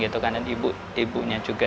dan ibunya juga